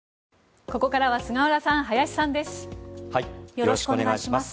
よろしくお願いします。